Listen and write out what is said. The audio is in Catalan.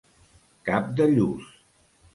Cap de lluç.